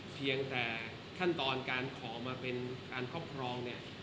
เพียงแต่ขั้นตอนการขอมาเป็นการครอบครองเนี่ย